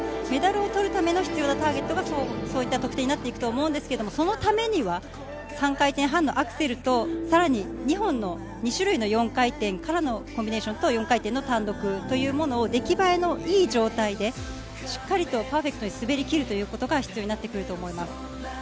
メダルを取るために必要なターゲットがその得点になると思うんですけど、そのためには３回転半のアクセルとさらに２本の２種類の４回転からのコンビネーションと４回転の単独というものを出来栄えのいい状態で、しっかりとパーフェクトに滑りきるということが必要になってくると思います。